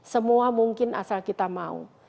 semua mungkin asal kita mau